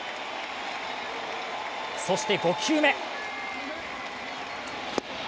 そして、５球目。